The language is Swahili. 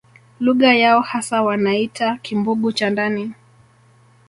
Lugha yao hasa wanaiita Kimbugu cha ndani